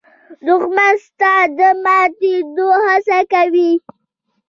دښمن ستا د ماتېدو هڅه کوي